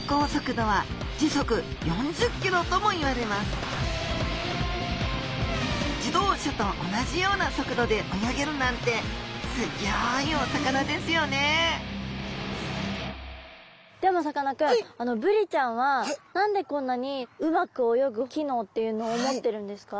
しかも自動車と同じような速度で泳げるなんてすギョいお魚ですよねでもさかなクンブリちゃんは何でこんなにうまく泳ぐ機能っていうのを持ってるんですか？